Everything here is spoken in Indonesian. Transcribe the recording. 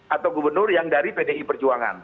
atau gubernur yang dari pdi perjuangan